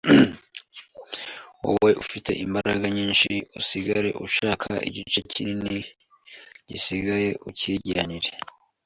wowe ufite imbaraga nyinshi usigare ushaka igice kinini gisigaye ucyijyanire.